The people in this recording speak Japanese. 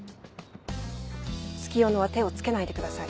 月夜野は手をつけないでください。